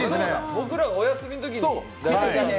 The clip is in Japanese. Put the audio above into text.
僕らがお休みのときに。